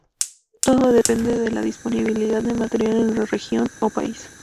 Todo depende de la disponibilidad del material en la región o país.